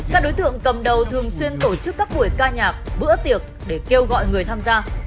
các đối tượng cầm đầu thường xuyên tổ chức các buổi ca nhạc bữa tiệc để kêu gọi người tham gia